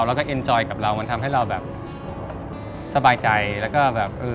แล้วเรารู้เวลาได้อย่างไรครับ